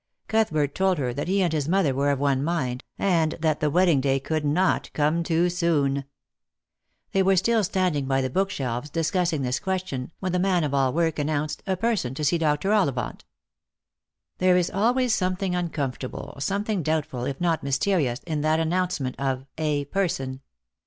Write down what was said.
Cuthbert told her that he and his mother were of one mind, and that the wedding day could not come too soon. They were still standing by the bookshelves, discussing this question, when the man of all work announced " a person " to see Dr. Ollivant. There is always something uncomfortable, something doubt ful, if not mysterious, in that announcement of "a person."